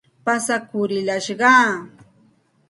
Pasakurillashqaa.